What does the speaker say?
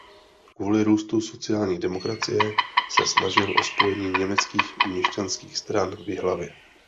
Kvůli růstu sociální demokracie se snažil o spojení německých měšťanských stran v Jihlavě.